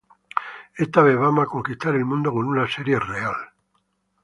Esta vez vamos a conquistar el mundo con una serie real"".